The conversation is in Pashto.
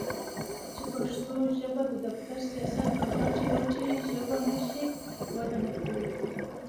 چې پښتو ژبه د دفتر٬ سياست او ګټې وټې ژبه نشي؛ وده نکوي.